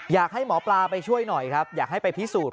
อยากให้หมอปลาไปช่วยหน่อยครับอยากให้ไปพิสูจน์